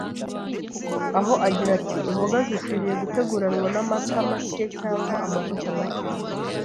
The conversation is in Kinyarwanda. aho agira ati, “Imboga zikwiriye guteguranwa n’amata make cyangwa amavuta make